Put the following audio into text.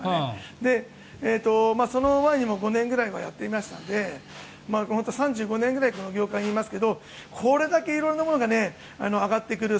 その前にも５年ぐらいやっていましたので３５年ぐらいこの業界にいますけどこれだけ色んなものが上がってくる。